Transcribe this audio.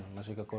kita masih terus